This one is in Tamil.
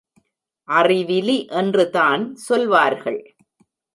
அறிவிலி என்றுதான் சொல்வார்கள்.